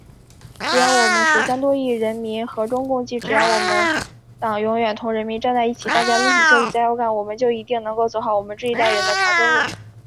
只要我们十三亿多人民和衷共济，只要我们党永远同人民站在一起，大家撸起袖子加油干，我们就一定能够走好我们这一代人的长征路。